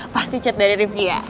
pasti chat dari rifki ya